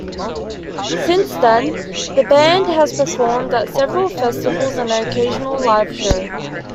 Since then the band has performed at several festivals and the occasional live show.